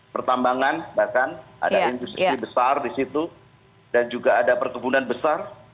pertambangan bahkan ada industri besar di situ dan juga ada perkebunan besar